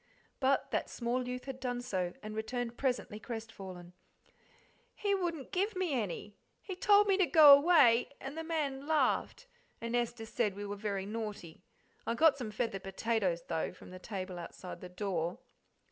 But that small youth had done so, and returned presently crestfallen. "He wouldn't give me any he told me to go away, and the man laughed, and Esther said we were very naughty I got some feathered potatoes, though, from the table outside the door."